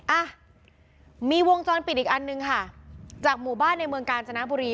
อ่ะมีวงจรปิดอีกอันนึงค่ะจากหมู่บ้านในเมืองกาญจนบุรี